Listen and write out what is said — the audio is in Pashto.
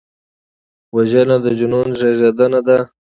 وژنه د جنون زیږنده ده